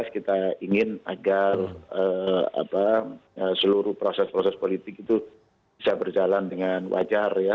kita ingin agar seluruh proses proses politik itu bisa berjalan dengan wajar ya